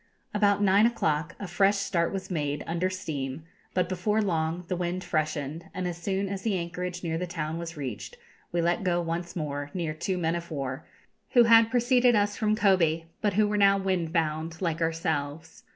About nine o'clock a fresh start was made, under steam, but before long the wind freshened, and as soon as the anchorage near the town was reached we let go once more, near two men of war, who had preceded us from Kobe, but who were now wind bound, like ourselves.